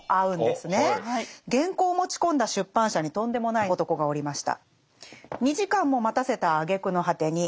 原稿を持ち込んだ出版社にとんでもない男がおりました。